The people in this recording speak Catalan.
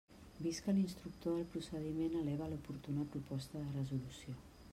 Vist que l'instructor del procediment eleva l'oportuna proposta de resolució.